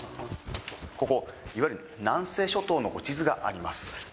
ここ、いわゆる南西諸島の地図があります。